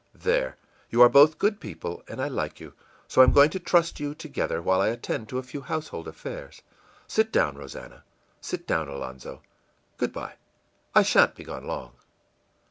There! You are both good people, and I like you; so I am going to trust you together while I attend to a few household affairs. Sit down, Rosannah; sit down, Alonzo. Good by; I sha'n't be gone long.